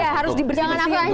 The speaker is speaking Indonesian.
harus dibersih bersihin dulu